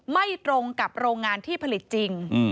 ไม่ตรงกับโรงงานที่ผลิตจริง